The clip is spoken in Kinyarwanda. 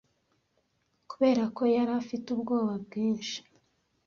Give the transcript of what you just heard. kubera ko yari afite ubwoba bwinshi